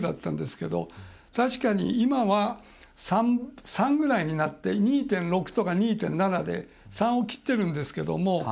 確かに、今は３ぐらいになって２．６とか２．７で３を切ってるんですけど。